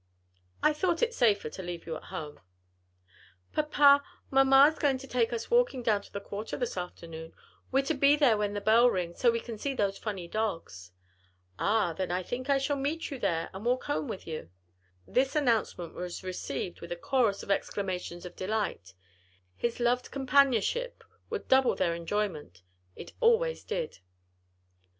"I thought it safer to leave you at home." "Papa, mamma's going to take us walking down to the quarter this afternoon; we're to be there when the bell rings, so we can see those funny dogs." "Ah, then I think I shall meet you there and walk home with you." This announcement was received with a chorus of exclamations of delight; his loved companionship would double their enjoyment; it always did.